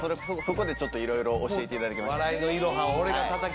そこでちょっと色々教えていただきました